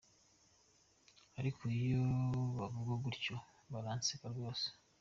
Ariko iyo bavuga gutyo baransetsa rwose.